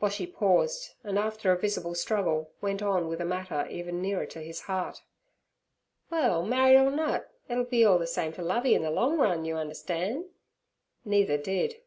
Boshy paused, and after a visible struggle went on with a matter even nearer his heart. 'Well, married or nut, it'll be all ther same t' Lovey in ther long run, you understan'.' Neither did.